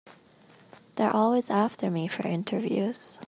They're always after me for interviews.